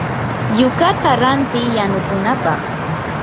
yukata ranti yanukunapaq.